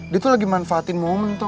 dia tuh lagi manfaatin momen tau